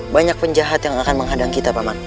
banyak penjahat yang akan menghadang kita paman